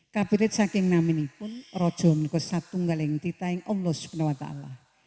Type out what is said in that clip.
kabinet saking namini pun rojomu kesatu ngaleng titah engkang omlos punewata allah